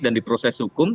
dan di proses hukum